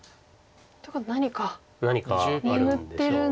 ということは何か眠ってる？